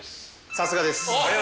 さすがです。